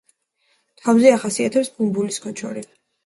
თავზე ახასიათებთ ბუმბულის ქოჩორი.